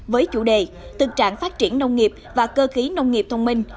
với chủ đề thực trạng phát triển nông nghiệp và cơ khí nông nghiệp thông minh